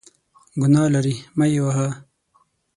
ګناه لري ، مه یې وهه !